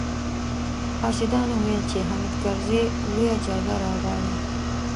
حاسدانو ويل چې حامد کرزي لويه جرګه راغواړي.